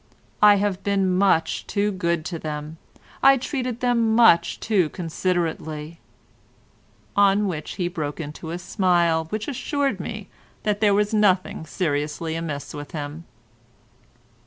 I have been much too good to them. I treated them much too considerately," on which he broke into a smile which assured me that there was nothing seriously amiss with him.